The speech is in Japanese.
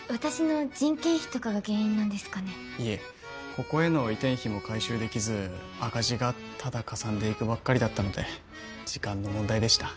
ここへの移転費も回収できず赤字がただかさんでいくばっかりだったので時間の問題でした。